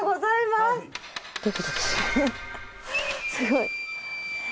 すごい。